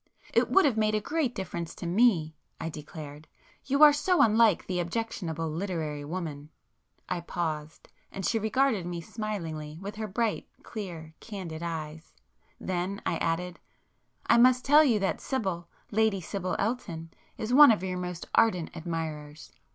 "It would have made a great difference to me"—I declared; "You are so unlike the objectionable 'literary woman,'—" I paused, and she regarded me smilingly with her bright clear candid eyes,—then I added—"I must tell you that Sibyl,—Lady Sibyl Elton—is one of your most ardent admirers."